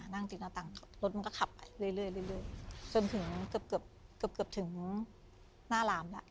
นั่งติดหน้าต่างรถมันก็ขับไปเรื่อยจนถึงเกือบเกือบถึงหน้าร้านแล้ว